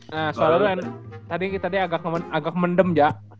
nah suara lu kan tadi tadi agak mendem jack